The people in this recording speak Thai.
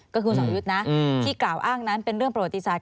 ก็คือสรยุทธ์นะที่กล่าวอ้างนั้นเป็นเรื่องประวัติศาสต